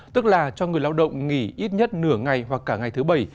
tức là cho người lao động nghỉ ít nhất nửa ngày hoặc cả ngày thứ bảy